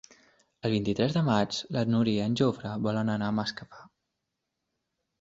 El vint-i-tres de maig na Núria i en Jofre volen anar a Masquefa.